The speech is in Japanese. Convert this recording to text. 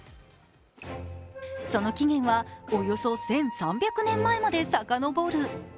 その起源はおよそ１３００年前まで遡る。